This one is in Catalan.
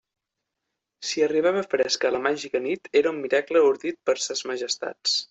Si arribava fresca a la màgica nit, era un miracle ordit per Ses Majestats.